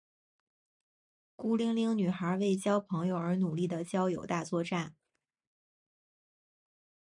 孤零零女孩为交朋友而努力的交友大作战。